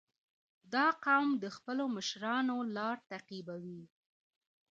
• دا قوم د خپلو مشرانو لار تعقیبوي.